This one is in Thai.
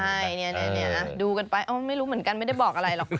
ใช่เนี่ยดูกันไปไม่รู้เหมือนกันไม่ได้บอกอะไรหรอกคุณ